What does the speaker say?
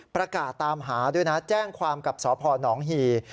ประกาศตามหาด้วยนะแจ้งความกับสพนหี่